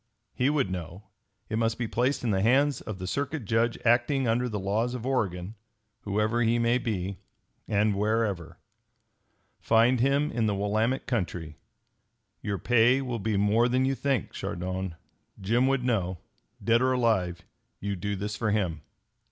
He would know. It must be placed in the hands of the Circuit Judge acting under, the laws of Oregon, whoever he may be, and wherever. Find him in the Willamette country. Your pay will be more than you think, Chardon. Jim would know. Dead or alive, you do this for him.